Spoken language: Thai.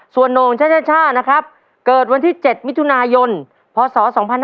ส่วนโน่งช่านะครับเกิดวันที่๗มิถุนายนพศ๒๕๕๙